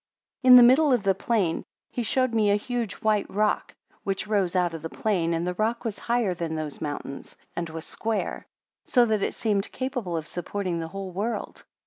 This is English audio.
13 In the middle of the plain he showed me a huge white rock, which rose out of the plain, and the rock was higher than those mountains, and was square; so that it seemed capable of supporting the whole world.